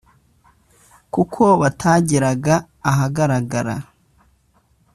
kuko batageraga ahagaragara.